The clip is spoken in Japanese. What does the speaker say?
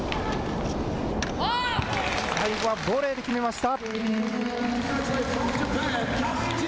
最後はボレーで決めました。